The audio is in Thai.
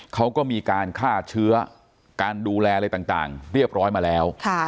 เขาก็มีการฆ่าเชื้อการดูแลอะไรต่างเรียบร้อยมาแล้ว